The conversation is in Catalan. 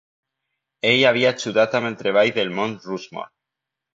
Ell havia ajudat amb el treball del Mont Rushmore.